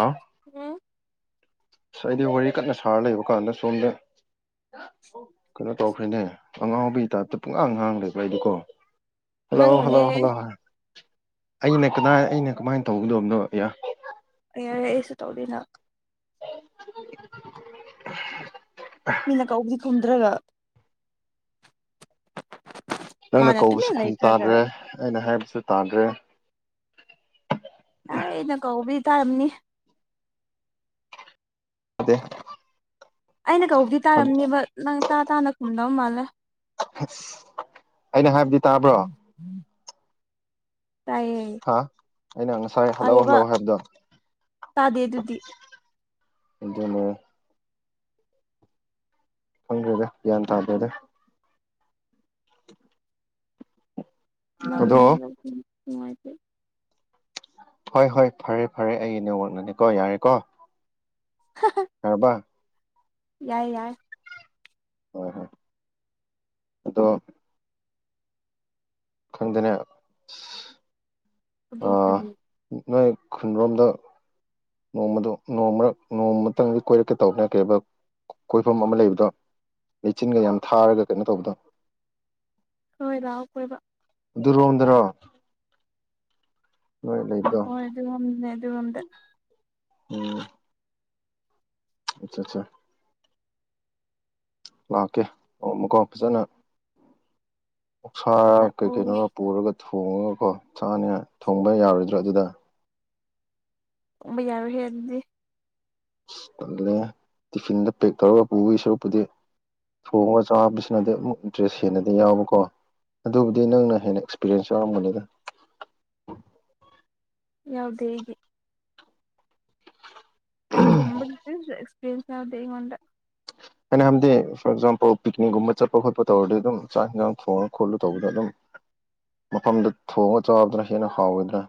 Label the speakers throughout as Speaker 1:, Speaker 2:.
Speaker 1: ꯑꯥ
Speaker 2: ꯎꯝ
Speaker 1: ꯑꯁ ꯍꯥꯏꯗꯤ ꯋꯥꯔꯤ ꯀꯅ ꯁꯥꯔ ꯂꯩꯕ ꯀꯥꯟꯗ ꯁꯣꯝꯗ ꯀꯩꯅꯣ ꯇꯧꯈ꯭ꯔꯦꯅꯦ ꯑꯉꯥꯎꯕꯤ ꯇꯥꯏꯞꯇ ꯄꯨꯡꯍꯥꯡ ꯉꯍꯥꯡ ꯂꯩꯕ ꯑꯩꯗꯤꯀꯣ ꯍꯜꯂꯣ ꯍꯜꯂꯣ
Speaker 2: ꯅꯪꯅꯅꯦꯍꯦ
Speaker 1: ꯍꯜꯂꯣ ꯑꯩꯅ ꯀꯗꯥ ꯑꯩꯅ ꯀꯃꯥꯏꯅ ꯇꯧꯒꯗꯣꯕꯅꯣ ꯏꯌꯥ
Speaker 2: ꯌꯥꯦ ꯑꯦꯁꯨ ꯇꯧꯗꯅ
Speaker 1: [unintelligible]
Speaker 2: ꯃꯤꯅ ꯀꯧꯕꯗꯤ ꯈꯨꯝꯗ꯭ꯔꯒ
Speaker 1: ꯅꯪꯅ
Speaker 2: ꯃꯥꯅ
Speaker 1: ꯀꯧꯕꯁꯨ
Speaker 2: ꯇꯨꯃꯤꯟꯅ
Speaker 1: ꯈꯨꯝ
Speaker 2: ꯂꯩꯈ꯭ꯔꯒ
Speaker 1: ꯇꯥꯗ꯭ꯔꯦ ꯑꯩꯅ ꯍꯥꯏꯕꯁꯨ ꯇꯥꯗ꯭ꯔꯦ
Speaker 2: ꯇꯔꯦ ꯑꯩꯅ ꯀꯧꯕꯤ ꯇꯥꯔꯝꯅꯤ
Speaker 1: ꯑꯗꯦ
Speaker 2: ꯑꯩꯅ ꯀꯧꯕꯧꯗꯤ ꯇꯥꯔꯝꯅꯦꯕ ꯅꯪ ꯇꯥ ꯇꯥꯅ ꯈꯨꯝꯗꯧ ꯃꯥꯜꯂꯦ
Speaker 1: ꯑꯁ ꯑꯩꯅ ꯍꯥꯏꯕꯗꯤ ꯇꯥꯕ꯭ꯔꯣ
Speaker 2: ꯇꯥꯏꯌꯦ
Speaker 1: ꯍꯥ ꯑꯩꯅ ꯉꯁꯥꯏ ꯍꯜꯂꯧ
Speaker 2: ꯇꯥꯏꯌꯦꯕ
Speaker 1: ꯍꯜꯂꯣ ꯍꯥꯏꯕꯗꯣ
Speaker 2: ꯇꯥꯗꯦ ꯑꯗꯨꯗꯤ
Speaker 1: ꯏꯖꯅ ꯐꯪꯗ꯭ꯔꯦꯗ ꯒ꯭ꯌꯥꯟ ꯇꯥꯗ꯭ꯔꯦꯗꯦ ꯑꯗꯣ
Speaker 2: ꯃꯅꯦꯅꯨꯡꯉꯥꯏ
Speaker 1: ꯍꯣꯏ ꯍꯣꯏ ꯐꯔꯦ ꯐꯔꯦ ꯑꯩ ꯅꯋꯥꯛꯅꯅꯤꯀꯣ ꯌꯥꯔꯦꯀꯣ ꯍꯕ
Speaker 2: ꯌꯥꯏ ꯌꯥꯏ
Speaker 1: ꯍꯣꯏ ꯍꯣꯏ ꯑꯗꯣ ꯈꯪꯗꯅ
Speaker 2: ꯀꯗꯣꯛ ꯀ
Speaker 1: ꯅꯣꯏ ꯈꯨꯟꯔꯣꯝꯗ ꯅꯣꯡꯃꯗ ꯅꯣꯡꯃ ꯃꯔ ꯅꯣꯡꯃꯇꯪꯗꯤ ꯀꯣꯏꯔꯛꯀꯦ ꯇꯧꯕꯅ ꯀꯩ ꯀꯣꯏꯐꯝ ꯑꯃ ꯂꯩꯕꯗꯣ ꯂꯩꯆꯤꯟꯒ ꯌꯥꯝ ꯊꯥꯔꯒ ꯀꯩꯅꯣ ꯇꯧꯕꯗꯣ
Speaker 2: ꯍꯣꯏ ꯂꯥꯛꯑꯣ ꯀꯣꯏꯕ
Speaker 1: ꯔꯣꯗ꯭ꯔ
Speaker 2: ꯍ ꯑꯗꯨꯗꯤꯉꯝꯅꯦ ꯑꯗꯨꯒꯒꯝꯗ
Speaker 1: ꯎꯝ ꯑꯆꯥ ꯑꯠꯆꯥ ꯂꯥꯛꯀꯦ ꯑꯣ ꯑꯃꯨꯀꯣ ꯐꯖꯅ ꯑꯣꯁꯥ
Speaker 2: ꯂꯥꯛꯑꯣ
Speaker 1: ꯀꯩ ꯀꯩꯅꯣꯅ ꯄꯨꯔꯒ ꯊꯣꯡꯉꯒꯀꯣ ꯆꯥꯅꯤ ꯊꯣꯡꯕ ꯌꯥꯔꯣꯏꯗ꯭ꯔꯥ ꯑꯗꯨꯗ
Speaker 2: ꯕ ꯌꯥꯔ ꯍꯦ ꯑꯗꯨꯗꯤ
Speaker 1: ꯇꯤꯐꯤꯟꯗ ꯄꯦꯛ ꯇꯧꯔꯒ ꯄꯨꯕꯒꯤ ꯁꯔꯨꯛꯄꯨꯗꯤ ꯊꯣꯡꯉꯒ ꯆꯥꯕꯁꯤꯅꯗꯤ ꯑꯃꯨꯛ ꯏꯟꯇꯔꯦꯁ ꯍꯦꯟꯅꯗꯤ ꯌꯥꯎꯕꯀꯣ ꯑꯗꯨꯕꯨꯗꯤ ꯅꯪꯅ ꯍꯦꯟꯅ ꯑꯦꯛꯁꯄꯤꯔꯤꯌꯦꯟꯁ ꯌꯥꯎꯔꯝꯕꯅꯤꯗ
Speaker 2: ꯌꯥꯎꯗꯦ ꯍꯗꯤ ꯑꯩ ꯊ ꯑꯦꯛꯁꯄꯤꯔꯤꯟꯁ ꯌꯥꯎꯗꯦ ꯑꯩꯉꯣꯟꯗ
Speaker 1: ꯍꯥꯏꯅ ꯍꯝꯗꯤ ꯐꯣꯔ ꯑꯦꯛꯖꯥꯝꯄꯜ ꯄꯤꯛꯅꯤꯛꯒꯨꯝꯕ ꯆꯠꯄ ꯈꯣꯠꯄ ꯇꯧꯔꯗꯤ ꯑꯗꯨꯝ ꯆꯥꯛ ꯌꯦꯟꯁꯥꯡ ꯐꯣꯡꯉ ꯈꯣꯠꯂꯨ ꯇꯧꯕꯗ ꯑꯗꯨꯝ ꯃꯐꯝꯗꯨ ꯊꯣꯡꯉ ꯆꯥꯕꯗꯅ ꯍꯦꯟꯅ ꯍꯥꯎꯋꯗ꯭ꯔꯥ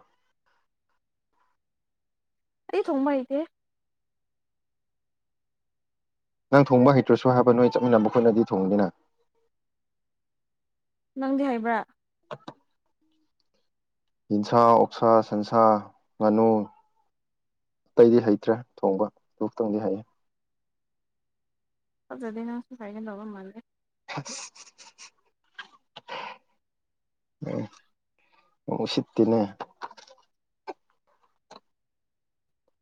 Speaker 2: ꯑꯗꯦ ꯊꯨꯕ ꯑꯗꯤ
Speaker 1: ꯅꯪ ꯊꯣꯡꯕ ꯍꯩꯇ꯭ꯔꯁꯨ ꯍꯥꯏꯕ ꯅꯣꯏ ꯆꯠꯃꯤꯟꯅꯕ ꯈꯣꯠꯅꯗꯤ ꯊꯣꯡꯕꯅꯤꯅ
Speaker 2: ꯅꯪꯗꯤ ꯍꯥꯏꯕ꯭ꯔꯥ
Speaker 1: [inaudible] ꯌꯦꯟꯁꯥ ꯑꯣꯛꯁꯥ ꯁꯟꯁꯥ ꯉꯥꯅꯨ ꯑꯇꯩꯗꯤ ꯍꯩꯇ꯭ꯔꯦ ꯊꯣꯡꯕ ꯑꯗꯨꯨꯛꯇꯪꯗꯤ ꯍꯩꯌꯦ
Speaker 2: ꯑꯗꯨꯗꯅ ꯐꯥꯏꯒꯗ ꯃꯦ
Speaker 1: ꯑ ꯎ ꯁꯤꯇꯤꯅꯦ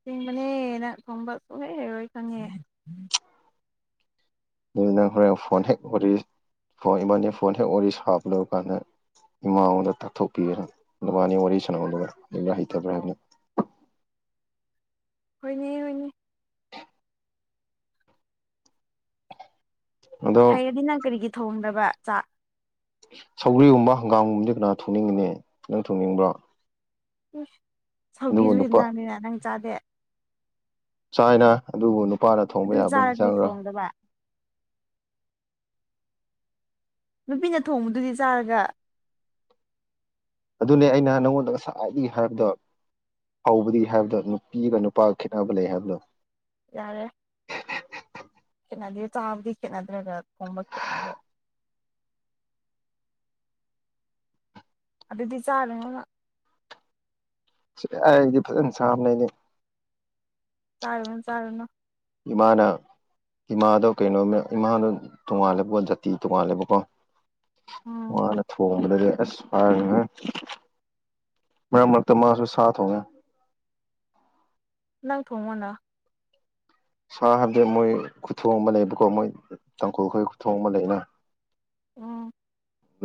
Speaker 2: ꯆꯤꯡꯕꯅꯦ ꯅꯪ ꯊꯣꯡꯕ ꯁꯣꯛꯍꯦ ꯍꯔꯣꯏ ꯈꯪꯉꯦ
Speaker 1: ꯑꯗꯨꯅ ꯍꯣꯔꯦꯟ ꯐꯣꯟ ꯍꯦꯛ ꯋꯥꯔꯤ ꯐꯣꯟ ꯏꯕꯥꯥꯟꯅꯤ ꯐꯣꯟ ꯍꯦꯛ ꯋꯥꯔꯤ ꯁꯥꯞꯂ ꯀꯥꯟꯗ ꯏꯃꯥꯉꯣꯟꯗ ꯇꯥꯛꯊꯣꯛꯄꯤꯑꯅ ꯅꯨꯕꯥꯅꯤ ꯋꯥꯔꯤ ꯁꯥꯟꯅꯕꯅꯕꯗꯨ ꯑꯩꯕ ꯍꯩꯇꯕ꯭ꯔꯥ ꯍꯥꯏꯕꯅ [inaudible]
Speaker 2: ꯍꯅꯦ ꯍꯅꯦ
Speaker 1: ꯑꯗꯣ
Speaker 2: ꯍꯩꯌꯦꯅꯤ ꯅꯪ ꯀꯔꯤꯒꯤ ꯊꯣꯡꯗꯕ ꯆꯥꯛ
Speaker 1: ꯁꯧꯒ꯭ꯔꯤꯒꯨꯝꯕ ꯍꯪꯒꯥꯝꯒꯨꯝꯕꯗꯤ ꯀꯅꯥ ꯊꯣꯡꯅꯤꯡꯉꯅꯤ ꯅꯈꯤꯪ ꯊꯣꯡꯅꯤꯡꯕ꯭ꯔꯣ
Speaker 2: ꯎ
Speaker 1: ꯑꯗꯨꯕꯨ
Speaker 2: ꯁꯧꯒꯤꯁꯨ
Speaker 1: ꯅꯨꯄꯥ
Speaker 2: ꯍꯦꯟꯖꯔꯝꯃꯤꯅ ꯅꯪ ꯆꯥꯗꯦ
Speaker 1: ꯆꯥꯏꯅ ꯑꯗꯨꯕꯨ ꯅꯨꯄꯥꯅ ꯊꯣꯡꯕ
Speaker 2: ꯑꯗꯨ
Speaker 1: ꯌꯥꯕ
Speaker 2: ꯆꯥꯔꯒꯗꯤ
Speaker 1: ꯍꯟꯁꯥꯡꯒꯔ
Speaker 2: ꯊꯣꯡꯗꯕ ꯅꯨꯄꯤꯅ ꯊꯣꯡꯕꯗꯨꯗꯤ ꯆꯥꯔꯒ
Speaker 1: ꯑꯗꯨꯅꯦ ꯑꯩꯅ ꯅꯪꯉꯣꯟꯗ ꯉꯁꯥꯏꯒꯤ ꯍꯥꯏꯔꯕꯗꯣ ꯍꯧꯕꯗꯤ ꯍꯥꯏꯕꯗꯣ ꯅꯨꯄꯤꯒ ꯅꯨꯄꯥꯒ ꯈꯦꯠꯅꯕ ꯂꯩ ꯍꯥꯏꯕꯗꯣ
Speaker 2: ꯌꯥꯔꯦ ꯈꯦꯠꯅꯗꯦ ꯆꯥꯕꯗꯤ ꯈꯦꯠꯅꯗ꯭ꯔꯒ ꯊꯣꯕ ꯈꯦꯠꯅꯕ ꯑꯗꯨꯗꯤ ꯆꯂꯉ
Speaker 1: ꯐ ꯁꯝꯅ
Speaker 2: ꯆꯥꯔꯅ ꯆꯥꯔꯅ
Speaker 1: ꯏꯃꯅ ꯏꯃꯥꯗꯣ ꯀꯩꯅꯣ ꯏꯃꯥꯗꯣ ꯇꯣꯡꯉꯥꯜꯂꯦꯕꯀꯣ ꯖꯥꯇꯤ ꯇꯣꯉꯥꯜꯂꯦꯕꯀꯣ
Speaker 2: ꯎꯝ
Speaker 1: ꯃꯥꯅ ꯊꯣꯡꯕꯗꯗꯤ ꯑꯁ ꯍꯥꯏꯉ ꯃꯥ ꯃꯔꯠꯃ ꯁꯦ ꯁꯥ ꯍꯒ
Speaker 2: ꯅꯪ ꯊꯣꯡꯉꯣꯅ
Speaker 1: ꯁꯥ ꯍꯥꯏꯕꯗꯤ ꯃꯣꯏ ꯈꯨꯊꯣꯡ ꯑꯃ ꯂꯩꯕꯀꯣ ꯃꯣꯏ ꯇꯥꯡꯈꯨꯜꯈꯔ ꯈꯨꯊꯣꯡ ꯑꯃ ꯂꯩꯅ
Speaker 2: ꯎ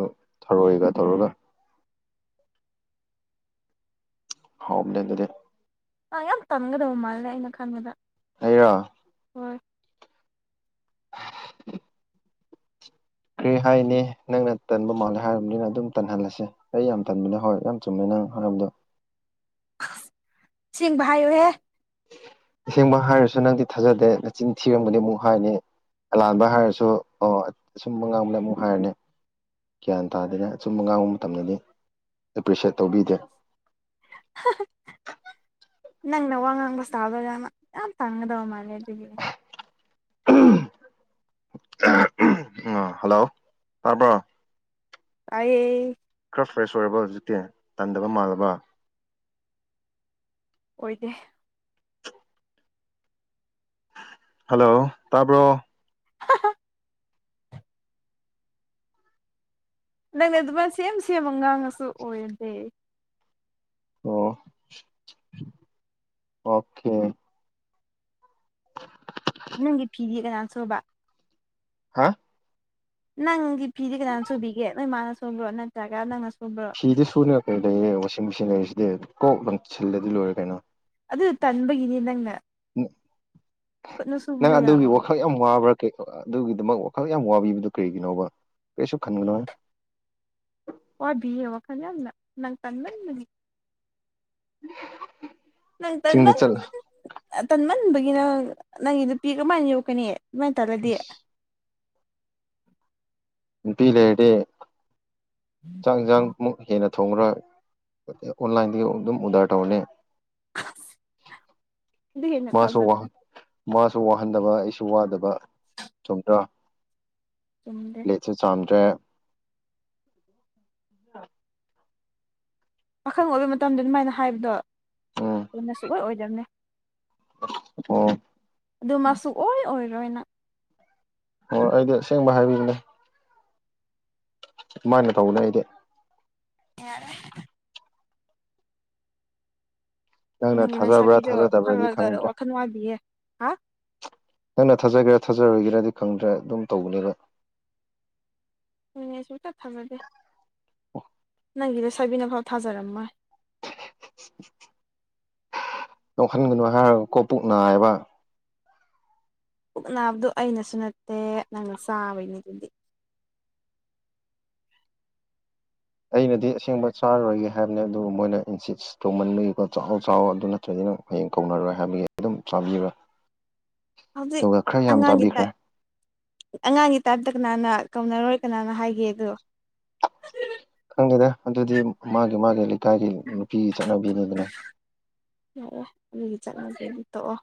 Speaker 1: ꯑ ꯊꯧꯔꯛꯏꯒ ꯊꯧꯔꯣꯒ ꯍꯥꯎꯝꯗꯦꯟ ꯑꯗꯨꯗꯤ
Speaker 2: ꯑꯥ ꯌꯥꯝ ꯀꯟꯒꯗꯕ ꯃꯥꯜꯂꯦ ꯑꯩꯅ ꯈꯟꯕꯗ
Speaker 1: ꯑꯩꯔ
Speaker 2: ꯍꯣꯏ
Speaker 1: ꯀꯔꯤ ꯍꯥꯏꯅꯤ ꯅꯪꯅ ꯇꯟꯕ ꯃꯥꯜꯂꯦ ꯍꯥꯏꯔꯕꯅꯤꯅ ꯑꯗꯨꯝ ꯇꯟꯍꯜꯂꯁꯦ ꯑꯩ ꯌꯥꯝ ꯇꯟꯕꯅꯦ ꯍꯣꯏ ꯌꯥꯝ ꯆꯨꯝꯃꯦꯅꯤ ꯅꯪ ꯍꯥꯏꯕꯗꯣ
Speaker 2: ꯁꯤꯁꯤꯡꯚꯌꯨꯍꯦ
Speaker 1: ꯏꯁꯁꯦꯡꯕ ꯍꯥꯏꯔꯁꯨ ꯅꯪꯗꯤ ꯊꯥꯖꯗꯦ ꯅꯆꯤꯟ ꯊꯤꯔꯝꯕꯗꯤ ꯑꯃꯨꯛ ꯍꯥꯏꯅꯤ ꯑꯂꯥꯟꯕ ꯍꯥꯏꯔꯁꯨ ꯑꯣ ꯑꯁꯨꯝ ꯑ ꯉꯥꯡꯕꯗ ꯑꯃꯨꯛ ꯍꯥꯏꯔꯅꯤ ꯒ꯭ꯌꯥꯟ ꯇꯥꯗꯅ ꯑꯆꯨꯝꯕ ꯉꯥꯡꯕ ꯃꯇꯝꯗꯗꯤ ꯑꯦꯄ꯭ꯔꯤꯁꯦꯠ ꯇꯧꯕꯤꯗꯦ
Speaker 2: [inaudible] ꯅꯪꯅ ꯋꯥ ꯉꯥꯡꯕꯁꯨ ꯇꯥꯗꯣꯏꯖꯥꯠꯅ ꯌꯥꯝ ꯇꯥꯡꯒꯗꯕ ꯃꯥꯜꯂꯦ ꯑꯗꯨꯒꯤ
Speaker 1: ꯎꯝ ꯑ ꯍꯜꯂꯣ ꯇꯄ
Speaker 2: ꯀꯥꯏ
Speaker 1: ꯈꯔ ꯐ꯭ꯔꯦꯁ ꯑꯣꯏꯔꯕ ꯍꯧꯖꯤꯛꯇꯤ ꯇꯟꯗꯕ ꯃꯥꯜꯂꯕ
Speaker 2: ꯑꯣꯏꯗꯦ
Speaker 1: ꯍꯜꯂꯣ ꯇꯄꯣ
Speaker 2: ꯑ ꯅꯪꯅꯦ ꯑꯗꯨꯃꯥꯏ ꯁꯦꯝ ꯁꯦꯝꯃ ꯉꯥꯡꯉꯁꯨ ꯑꯣꯏꯔꯗꯦ
Speaker 1: ꯑꯣ ꯑꯣꯀꯦ
Speaker 2: ꯅꯪꯒꯤ ꯐꯤꯗꯤ ꯀꯅꯥꯅ ꯁꯨꯕ
Speaker 1: ꯍꯥ
Speaker 2: ꯅꯪꯒꯤ ꯐꯤꯗꯤ ꯀꯅꯥꯅ ꯁꯣꯏꯕꯤꯒꯦ ꯅꯣꯏ ꯃꯥꯅ ꯁꯣꯏꯕ꯭ꯔꯣ ꯅꯠꯇ꯭ꯔꯒ ꯅꯪꯅ ꯁ
Speaker 1: ꯁꯤꯗꯤ ꯁꯨꯅꯔ ꯀꯩ ꯂꯩꯌꯦ ꯋꯥꯁꯤꯡ ꯃꯦꯆꯤꯟ ꯂꯩꯔꯤꯁꯤꯗꯤ ꯀꯣꯛ ꯂꯪꯁꯤꯜꯂꯗꯤ ꯂꯣꯏꯔꯦ ꯀꯩꯅꯣ
Speaker 2: ꯑꯗꯨ ꯇꯟꯕꯒꯤꯅꯤ ꯅꯪꯅ ꯈꯨꯠꯅ ꯁꯨꯕꯁꯨ
Speaker 1: ꯅꯪ
Speaker 2: ꯌꯥꯝ
Speaker 1: ꯑꯗꯨꯒꯤ ꯋꯥꯈꯜ ꯌꯥꯝ ꯋꯥꯕ꯭ꯔꯥ ꯑꯗꯨꯒꯤꯗꯃꯛ ꯋꯥꯈꯜ ꯌꯥꯝ ꯋꯥꯕꯤꯕꯗꯨ ꯀꯔꯤꯒꯤꯅꯣꯕ ꯀꯔꯤꯁꯨ ꯈꯟꯒꯅꯣ ꯍꯥꯏ
Speaker 2: ꯋꯥꯕꯤꯌꯦ ꯋꯥꯈꯜ ꯌꯥꯝꯅ ꯅꯪ ꯀꯟꯕꯗꯤ
Speaker 1: ꯎ
Speaker 2: ꯅꯪ ꯇꯟꯃꯟ ꯇꯟꯃꯟꯕꯒꯤꯅꯪ ꯅꯪꯒꯤ ꯅꯨꯄꯤ ꯀꯃꯥꯏꯅ ꯌꯣꯛꯀꯅꯤ ꯃꯥ ꯇꯂꯗꯤ
Speaker 1: ꯅꯨꯄꯤ ꯂꯩꯔꯗꯤ ꯆꯥꯡ ꯌꯦꯟꯁꯥꯡꯃꯨꯛ ꯍꯦꯟꯅ ꯊꯣꯡꯈ꯭ꯔ ꯑꯣꯟꯂꯥꯏꯟꯗꯒꯤ ꯑꯗꯨꯝ ꯑꯣꯗꯔ ꯇꯧꯔꯅꯤ
Speaker 2: ꯟꯅ
Speaker 1: ꯃꯥꯁꯨ
Speaker 2: ꯊꯥꯖꯗ
Speaker 1: ꯃꯥꯁꯨ ꯋꯥꯍꯟꯗꯕ ꯑꯩꯁꯨ ꯋꯥꯗꯕ ꯆꯣꯗ꯭ꯔꯥ
Speaker 2: ꯆꯨꯝꯗꯦ
Speaker 1: ꯂꯦꯠꯁꯨ ꯆꯥꯝꯗ꯭ꯔꯦ
Speaker 2: ꯄꯥꯈꯪ ꯑꯣꯏꯕ ꯃꯇꯝꯗ ꯑꯗꯨꯃꯥꯏꯅ ꯍꯥꯏꯕꯗꯣ
Speaker 1: ꯎꯝ
Speaker 2: ꯌꯥꯝꯅ ꯁꯨꯡꯛꯂꯣꯏ ꯑꯣꯏꯗꯕꯅꯤ
Speaker 1: ꯑꯣ
Speaker 2: ꯑꯗꯨ ꯃꯁꯨꯨ ꯑꯣꯏ ꯑꯣꯏꯔꯣꯏꯅ
Speaker 1: ꯍꯣꯏ ꯑꯩꯗꯤ ꯑꯁꯦꯡꯕ ꯍꯥꯏꯕꯤꯔꯤꯅꯦ ꯃꯥꯅꯦ ꯇꯧꯅꯦ ꯑꯩꯗꯤ
Speaker 2: ꯌꯥꯔꯦ
Speaker 1: ꯅꯪꯅ
Speaker 2: ꯅꯪ
Speaker 1: ꯊꯥꯖꯕ꯭ꯔꯥ
Speaker 2: ꯂꯩꯁꯥꯕꯤꯗꯣ
Speaker 1: ꯊꯥꯖꯗꯕ꯭ꯔꯗꯤ
Speaker 2: ꯈꯔ ꯈ
Speaker 1: ꯈꯪꯗ꯭ꯔꯦ
Speaker 2: ꯋꯥꯈꯜ ꯋꯥꯕꯤꯌꯦ ꯍꯥ
Speaker 1: ꯅꯪꯅ ꯊꯥꯖꯒꯦꯔꯥ ꯊꯥꯖꯔꯣꯏꯒꯦꯔꯗꯤ ꯈꯪꯗ꯭ꯔꯦ ꯑꯗꯨꯝ ꯇꯧꯕꯅꯦꯕ
Speaker 2: ꯍꯅꯦꯁꯨꯨꯝ ꯆꯠꯊꯕꯗꯦ ꯅꯪꯒꯤꯗ ꯆꯥꯏꯕꯤꯅꯐꯥꯎ ꯊꯥꯖꯔꯝꯃꯣꯏ
Speaker 1: [unintelligible] ꯌꯈꯟꯒꯅꯨ ꯍꯥꯏꯔꯒꯀꯣ ꯄꯨꯛ ꯅꯥꯏꯌꯦꯕ
Speaker 2: ꯄꯨꯛ ꯅꯥꯕꯗꯣ ꯑꯩꯅꯁꯨ ꯅꯠꯇꯦ ꯅꯪꯅ ꯆꯥꯕꯩꯅꯤ ꯑꯗꯨꯗꯤ
Speaker 1: ꯑꯩꯅꯗꯤ ꯑꯁꯦꯡꯕ ꯆꯥꯔꯔꯣꯏꯒꯦ ꯍꯥꯏꯕꯅꯦ ꯑꯗꯨ ꯃꯣꯏꯅ ꯏꯟꯁꯤꯠꯁ ꯇꯣꯡꯃꯟꯕꯒꯤꯀꯣ ꯆꯥꯎꯥꯛ ꯆꯥꯎꯥꯛ ꯑꯗꯨ ꯅꯠꯇ꯭ꯔꯒꯗꯤ ꯍꯌꯦꯡ ꯀꯧꯅꯔꯣꯏ ꯍꯥꯏꯕꯒꯤ ꯑꯗꯨꯝ ꯆꯥꯕꯤꯔꯣꯏ
Speaker 2: ꯍꯧꯖꯤꯛ ꯑꯉꯥꯡꯒꯤ ꯇꯥꯏꯞ ꯑꯉꯥꯡꯒꯤ ꯇꯥꯏꯞꯇ ꯀꯅꯥꯅ ꯀꯧꯅꯔꯣꯏ ꯀꯅꯥꯅ ꯍꯥꯏꯒꯦ ꯑꯗꯨꯣ
Speaker 1: ꯈꯪꯒꯦꯗ ꯑꯗꯨꯗꯤ ꯃꯥꯒꯤ ꯃꯥꯒꯤ ꯂꯩꯀꯥꯏꯒꯤ ꯅꯨꯄꯤꯒꯤ ꯆꯠꯅꯕꯤꯅꯤꯗꯅ
Speaker 2: ꯌꯥꯑꯦ ꯑꯗꯨꯒꯤ ꯆꯠꯂꯁꯦ ꯑꯗꯨ ꯇꯣꯛꯑꯣ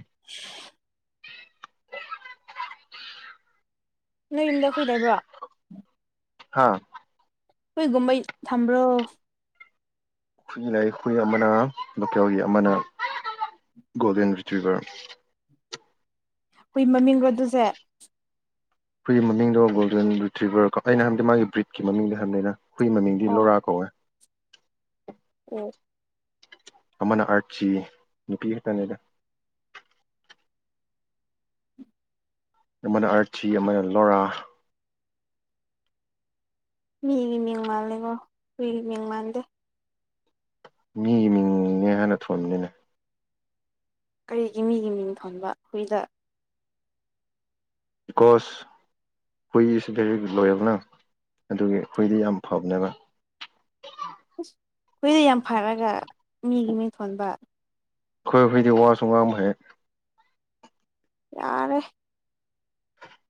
Speaker 2: [inaudible] ꯅꯣꯏ ꯌꯨꯝꯗ ꯍꯨꯏꯗꯕ꯭ꯔꯣ
Speaker 1: ꯍꯥꯥ
Speaker 2: ꯍꯨꯏꯒꯨꯝ ꯕꯩ ꯈꯣꯏꯒꯨꯝꯕꯩ ꯊꯝꯕ꯭ꯔꯣ
Speaker 1: ꯑꯩꯈꯏ ꯂꯥꯏ ꯈꯨꯏ ꯑꯃꯅ ꯂꯣꯀꯦꯜꯒꯤ ꯑꯃꯅ ꯒꯣꯜꯗꯦꯟ ꯔꯤꯇ꯭ꯔꯤꯚꯔ
Speaker 2: ꯍꯨꯏ ꯃꯃꯤꯡꯔꯣ ꯑꯗꯨꯁꯦ
Speaker 1: ꯑꯩꯈꯣꯏꯒꯤ ꯃꯃꯤꯡꯗꯣ ꯒꯣꯜꯗꯦꯟꯔꯤꯇ꯭ꯔꯤꯚ꯭ꯔ ꯀꯣ ꯑꯩꯅ ꯍꯟꯗꯤ ꯃꯥꯒꯤ ꯕ꯭ꯔꯤꯠꯀꯤ ꯃꯃꯤꯡꯗ ꯍꯟꯗꯅ ꯍꯨꯏ ꯃꯃꯤꯡꯗꯤ
Speaker 2: ꯑꯣ
Speaker 1: ꯂꯣꯔꯥ ꯀꯧꯋꯦ
Speaker 2: ꯎ
Speaker 1: ꯑꯃꯅ ꯑꯥꯔꯠꯆꯤ ꯅꯨꯄꯤ ꯈꯛꯇꯅꯦꯗ ꯑꯃꯅ ꯑꯥꯔꯊꯤ ꯑꯃꯅ ꯂꯣꯔꯥ
Speaker 2: ꯃꯤꯒꯤ ꯃꯤꯡ ꯃꯥꯜꯂꯦꯀꯣ ꯍꯨꯏ ꯒꯤ ꯃꯤꯡ ꯃꯥꯟꯗꯦ
Speaker 1: ꯃꯤꯒꯤ ꯃꯤꯡꯅꯦ ꯍꯥꯟꯅ ꯊꯣꯟꯕꯅꯤꯅꯦ
Speaker 2: ꯀꯔꯤꯒꯤ ꯃꯤꯒꯤ ꯃꯤꯡ ꯊꯣꯟꯕ ꯍꯨꯏꯗ
Speaker 1: ꯕꯤꯀꯣꯁ ꯍꯨꯏꯁꯨ ꯚꯦꯔꯤ ꯒꯨꯗ ꯂꯣꯏꯌꯦꯕ ꯅꯪ ꯑꯗꯨꯒꯤ ꯍꯨꯏꯗꯤ ꯌꯥꯝ ꯐꯕꯅꯦꯕ
Speaker 2: ꯑꯁ ꯍꯨꯏꯗ ꯌꯥꯝ ꯐꯔꯒ ꯃꯤꯒꯤ ꯃꯤꯡꯊꯣꯟꯕ
Speaker 1: ꯈꯣꯏ ꯍꯨꯏ ꯗꯤ ꯋꯁꯨ ꯉꯥꯡꯕ ꯍꯩꯌꯦ
Speaker 2: ꯌꯥꯔꯦ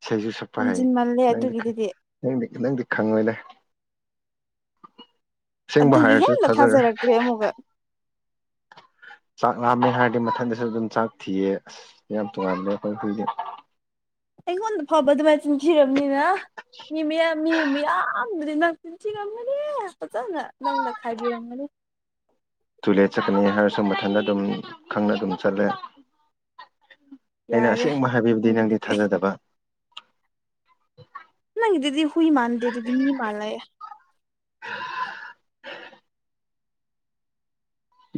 Speaker 1: ꯏꯁꯩꯁꯨꯨ ꯁꯛꯄ ꯍꯥꯏ
Speaker 2: ꯍꯦꯟꯖꯤꯟꯃꯜꯂꯦ
Speaker 1: ꯅꯪ
Speaker 2: ꯑꯗꯨꯒꯤꯗꯨꯗꯤ
Speaker 1: ꯅꯪꯗꯤ ꯅꯪꯗꯤ ꯈꯪꯉꯣꯏꯅꯦ ꯑꯁꯦꯡꯕ
Speaker 2: ꯑꯗꯨꯒꯤ
Speaker 1: ꯍꯥꯏꯔꯁꯨꯦ
Speaker 2: ꯍꯦꯟꯅ
Speaker 1: ꯊꯥꯖꯔꯦ
Speaker 2: ꯊꯥꯖꯔꯛꯇ꯭ꯔꯦ ꯑꯃꯨꯛꯀ
Speaker 1: ꯆꯥꯛ ꯂꯥꯝꯃꯦ ꯍꯥꯏꯔꯗꯤ ꯃꯊꯟꯗꯁꯨ ꯑꯗꯨꯝ ꯆꯥꯛ ꯊꯤꯌꯦ ꯑꯁ ꯌꯥꯝ ꯇꯣꯡꯉꯥꯟꯂꯦ ꯑꯩꯈꯣꯏ ꯍꯨꯏꯗꯤ
Speaker 2: ꯑꯩꯉꯣꯟꯗ ꯐꯥꯎꯕ ꯑꯗꯨꯃꯥꯏꯅ ꯆꯤꯟꯊꯤꯔꯕꯅꯤꯅ ꯃꯤ ꯃꯌꯥꯝ ꯃꯤ ꯃꯌꯥꯝꯗꯗꯤ ꯅꯪ ꯄꯨꯤꯟꯁꯤꯔꯝꯒꯅꯤ ꯐꯖꯅ ꯅꯪꯅ ꯈꯥꯏꯕꯤꯔꯝꯒꯅꯤ
Speaker 1: ꯇꯨꯂꯦꯠ ꯆꯠꯀꯅꯤ ꯍꯥꯏꯔꯁꯨ ꯃꯊꯟꯗ ꯑꯗꯨꯝ ꯈꯪꯅ ꯑꯗꯨꯝ ꯆꯠꯂꯦ ꯑꯩꯅ
Speaker 2: ꯌꯥꯔꯦ
Speaker 1: ꯑꯁꯦꯡꯕ ꯍꯥꯏꯕꯤꯕꯗꯤ ꯅꯪꯗꯤ
Speaker 2: ꯅꯪꯒꯤꯗꯨꯗꯤ
Speaker 1: ꯊꯥꯖꯗꯕ
Speaker 2: ꯅꯪꯒꯤꯗꯨꯗꯤ ꯍꯨꯏ ꯃꯥꯥꯟꯗꯨꯗꯤ ꯃꯤ ꯃꯥꯜꯂ‌ꯦ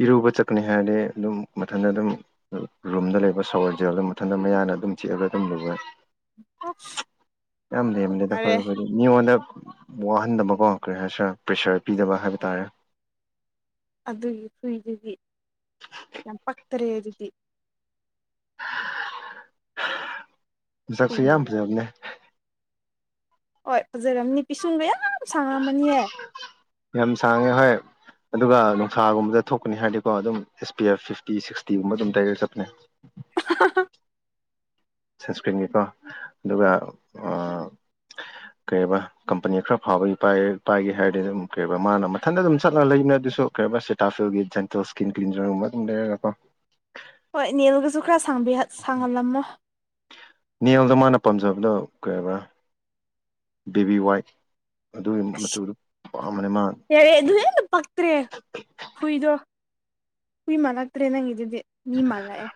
Speaker 1: ꯏꯔꯨꯕ ꯆꯠꯀꯅꯤ ꯍꯥꯏꯔꯗꯤ ꯑꯗꯨꯝ ꯃꯊꯟꯇ ꯑꯗꯨꯝ ꯔꯨꯝꯗ ꯂꯩꯕ ꯁꯧꯔꯁꯦꯜ ꯑꯗꯨꯝ ꯃꯊꯟꯇ ꯃꯌꯥ ꯑꯗꯨꯝ ꯆꯤꯛꯑꯒ ꯑꯗꯨꯝ ꯂꯨꯔꯦ
Speaker 2: ꯑꯁ
Speaker 1: ꯌꯥꯝ ꯂꯦꯝ ꯕꯅꯤꯗꯥ ꯈꯣꯏ
Speaker 2: ꯌꯥꯔꯦ
Speaker 1: ꯍꯨꯏ ꯗꯤ ꯃꯤꯉꯣꯟꯗ ꯋꯥꯍꯟꯗꯕꯀꯣ ꯀꯔꯤ ꯍꯥꯏꯁꯤꯔ ꯄ꯭ꯔꯦꯁꯔ ꯄꯤꯗꯕ ꯍꯥꯏꯕ ꯇꯥꯔꯦ
Speaker 2: ꯑꯗꯨꯒꯤ ꯍꯨꯏꯗꯨꯗꯤ ꯌꯥꯝ ꯄꯛꯇꯔꯦ ꯑꯗꯨꯗꯤ
Speaker 1: ꯃꯁꯛ ꯁꯨ
Speaker 2: ꯍꯨꯏ
Speaker 1: ꯌꯥꯝ
Speaker 2: ꯃꯥꯟꯗ꯭ꯔꯦ
Speaker 1: ꯐꯖꯕꯅꯦ
Speaker 2: ꯍꯣꯏ ꯐꯥꯖꯔꯝꯅꯤ ꯄꯤꯁꯨꯡꯒꯌꯥꯝ
Speaker 1: ꯌꯥꯝ ꯁꯥꯡꯉꯦ ꯍꯣꯏ ꯑꯗꯨꯒ ꯅꯨꯡꯁꯥꯒꯨꯝꯕꯗ ꯊꯣꯛꯀꯅꯤ ꯍꯥꯏꯔꯗꯤꯀꯣ ꯑꯗꯨꯝ S P F fifty sixty ꯒꯨꯝꯕ ꯑꯗꯨꯝ ꯇꯩꯔꯒꯥ ꯆꯠꯄꯅꯦ
Speaker 2: ꯑꯍꯥ ꯍꯥ
Speaker 1: ꯁꯟꯁꯀ꯭ꯔꯤꯟꯒꯤꯀꯣ ꯑꯗꯨꯒ ꯀꯩꯕ ꯀꯝꯄꯅꯤ ꯈꯔ ꯐꯥꯎꯕꯒꯤ ꯄꯥꯏꯒꯦ ꯍꯥꯏꯔꯗꯤꯝ ꯀꯩꯕ ꯃꯥꯅ ꯃꯊꯟꯇ ꯑꯗꯨꯝ ꯆꯠꯂ ꯂꯩꯅ ꯑꯗꯨꯁꯨ ꯀꯩ ꯑꯕꯥ ꯁꯦꯇꯥꯐꯤꯜꯒꯤ ꯖꯦꯟꯇꯦꯜ ꯏꯁꯀꯤꯟ ꯀ꯭ꯟꯖꯔꯒꯨꯝꯕ ꯑꯗꯨꯝ ꯂꯩꯔꯒꯀꯣ
Speaker 2: ꯍꯣꯏ ꯏꯅꯦꯜꯒꯁꯨ ꯈꯔ ꯁꯥꯡꯍꯜꯂꯝꯃꯣ
Speaker 1: ꯄꯥꯝꯖꯥꯕꯗꯣ ꯀꯩꯔꯕ ꯕꯦꯕꯤ ꯋꯥꯏꯠ ꯑꯗꯨꯒꯤ
Speaker 2: ꯑꯁ
Speaker 1: ꯃꯆꯨꯗꯨ ꯄꯥꯝꯕꯅꯦ ꯃꯥ
Speaker 2: ꯌꯥꯔꯦ ꯑꯗꯨ ꯍꯦꯟꯅ ꯄꯛꯇ꯭ꯔꯦ ꯍꯨꯏꯗꯣ ꯍꯨꯏ ꯃꯥꯜꯂꯛꯇ꯭ꯔꯦ ꯅꯪꯒꯤꯗꯨꯗꯤ ꯃꯤ ꯃꯜ ꯂꯛꯑꯦ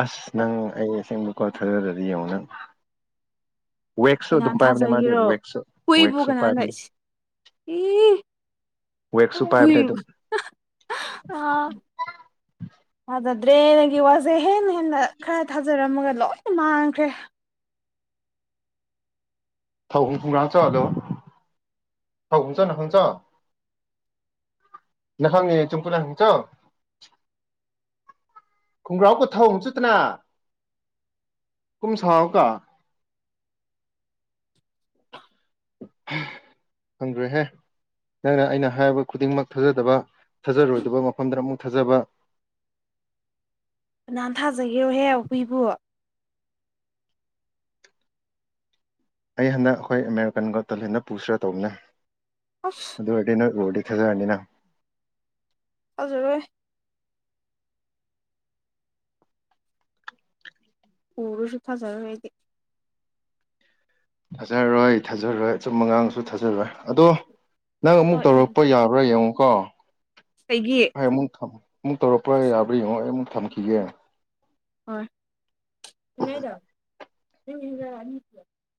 Speaker 1: ꯑꯁ ꯅꯪ ꯑꯩ ꯑꯁꯦꯡꯕ ꯀꯣꯜ ꯊꯥꯖꯔꯗꯤ ꯌꯦꯡꯉꯣ ꯅꯪ ꯋꯦꯛꯁꯨ ꯑꯗꯨꯝ
Speaker 2: ꯀꯅꯥꯅ
Speaker 1: ꯄꯥꯏꯕꯅꯦ ꯃꯥꯗꯤ
Speaker 2: ꯊꯥꯖꯒꯤꯔꯣ
Speaker 1: ꯋꯦꯛꯁꯨ
Speaker 2: ꯍꯨꯏꯕꯨ
Speaker 1: ꯋꯦꯛꯁꯨ
Speaker 2: ꯀꯅꯥꯅ
Speaker 1: ꯄꯥꯏꯕꯅꯦ ꯋꯦꯛꯁꯨ ꯄꯥꯏꯕꯅꯦ
Speaker 2: ꯍꯨꯏꯕꯨ
Speaker 1: ꯑꯗꯨꯝ
Speaker 2: ꯑ ꯑꯗ ꯗ꯭ꯔꯦꯒꯤ ꯋꯥꯁꯦ ꯍꯦꯟꯅ ꯍꯦꯟꯅ ꯈꯔ ꯊꯥꯖꯔꯝꯃꯒ ꯂꯣꯏ ꯃꯥꯡꯈ꯭ꯔꯦ
Speaker 1: ꯊꯥꯎ ꯍꯐꯨꯝ꯭ꯔꯥꯥꯛꯆ ꯍꯜꯂꯣ ꯊꯥꯎ ꯍ ꯆ ꯅ ꯍꯪ ꯆ [unintelligible] ꯈꯣꯡꯒ꯭ꯔꯥꯎꯕꯨ ꯊꯑꯣꯡ ꯆꯠꯇꯅ ꯀꯨꯝꯁꯎ ꯀ
Speaker 2: ꯍ
Speaker 1: ꯊꯪꯗ꯭ꯔꯦ ꯍꯦ ꯅꯪꯅ ꯑꯩꯅ ꯍꯥꯏꯔꯤꯕ ꯈꯨꯗꯤꯡꯃꯛ ꯊꯥꯖꯗꯕ ꯊꯥꯖꯔꯣꯏꯗꯕ ꯃꯐꯝꯗꯗ ꯑꯃꯨꯛ ꯊꯥꯖꯕ [inaudible]
Speaker 2: ꯅ ꯅꯍꯥꯟ ꯊꯥꯖꯒꯦꯣꯍꯦ ꯍꯨꯏꯕꯣ
Speaker 1: ꯑꯩ ꯍꯟꯗꯛ ꯑꯩꯈꯣꯏ ꯑꯦꯦꯔꯤꯀꯟꯒ ꯇꯜ ꯍꯦꯟꯟꯅ ꯄꯨꯁꯤ꯭ꯔꯥ ꯇꯧꯕꯅꯦ
Speaker 2: ꯑꯁ
Speaker 1: ꯑꯗꯨ ꯑꯣꯏꯔꯗꯤ ꯅꯣꯏ ꯎꯨꯔꯗꯤ ꯈꯦꯖꯔꯅꯤꯅ
Speaker 2: ꯑꯗꯨꯖꯔ ꯎꯔꯁꯨ ꯐꯖꯔ ꯍꯥꯏꯗꯤ
Speaker 1: ꯊꯥꯖꯔꯔꯣꯏ ꯊꯥꯖꯔꯣꯏ ꯑꯨꯝ ꯑꯉꯥꯡꯁꯨ ꯊꯥꯖꯔꯣꯏ ꯑꯗꯣ ꯅꯪ ꯑꯃꯨꯛ
Speaker 2: ꯍꯣꯏ
Speaker 1: ꯇꯧꯔꯛꯄ ꯌꯥꯕ꯭ꯔꯥ ꯌꯦꯡꯉꯣꯀꯣ
Speaker 2: ꯀꯩꯒꯤ
Speaker 1: ꯍꯣꯏ ꯑꯃꯨꯛ ꯑꯃꯨꯛ ꯇꯧꯔꯛꯄ꯭ꯔꯥ ꯌꯥꯕꯥ ꯌꯦꯡꯉꯣ ꯑꯩ ꯑꯃꯨꯛ ꯊꯝꯈꯤꯒꯦ
Speaker 2: ꯑ ꯆꯥꯏꯗꯣ